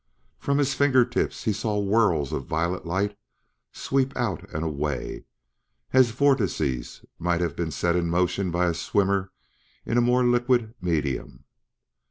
From his fingertips he saw whirls of violet light sweep out and away, as vortices might have been set in motion by a swimmer in a more liquid medium.